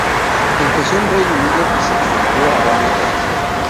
Empezó en Reino Unido y se extendió a varios países.